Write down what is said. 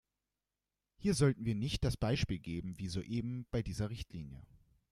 Hier sollten wir nicht das Beispiel geben wie soeben bei dieser Richtlinie.